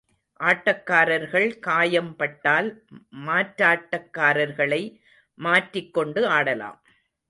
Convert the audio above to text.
ஆட்டக்காரர்கள் காயம் பட்டால், மாற்றாட்டக்காரர்களை மாற்றிக்கொண்டு ஆடலாம்.